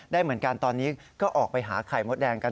ได้เหมือนกันตอนนี้ก็ออกไปหาไข่มดแดงกัน